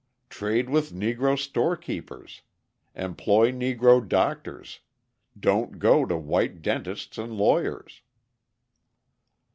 Trade with Negro storekeepers; employ Negro doctors; don't go to white dentists and lawyers."